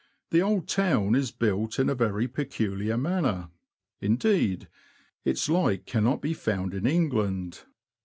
The old town is built in a very peculiar manner ; indeed, its like cannot be found in England.